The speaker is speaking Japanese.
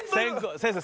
先生